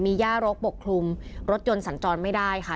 มีย่ารกปกคลุมรถยนต์สัญจรไม่ได้ค่ะ